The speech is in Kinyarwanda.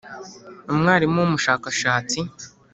umwarimu w’umushakashatsi.